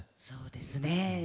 そうですね。